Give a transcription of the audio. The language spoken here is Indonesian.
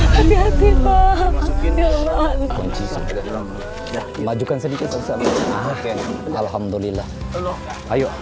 hati hati hati hati hati hati pelan pelan pelan pelan majukan sedikit alhamdulillah ayo